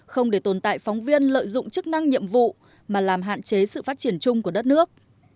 không để tồn tại phóng viên lợi dụng chức năng nhiệm vụ mà làm hạn chế sự phát triển chung của đất nước